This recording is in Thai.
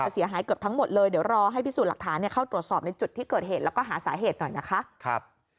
เสียหายเกือบทั้งหมดเลยเดี๋ยวรอให้พิสูจน์หลักฐานเข้าตรวจสอบในจุดที่เกิดเหตุแล้วก็หาสาเหตุหน่อยนะคะ